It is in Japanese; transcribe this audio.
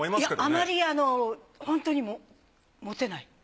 あまりあのホントにモテない。